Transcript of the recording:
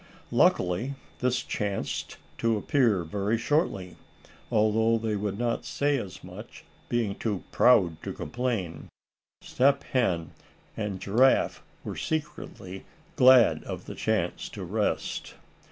Luckily this chanced to appear very shortly. Although they would not say as much, being too proud to complain, Step Hen and Giraffe were secretly glad of the chance to rest.